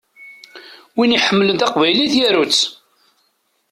Win iḥemmlen taqbaylit yaru-tt!